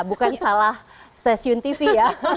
bukan salah stasiun tv ya